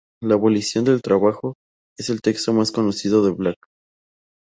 La "abolición del trabajo" es el texto más conocido de Black.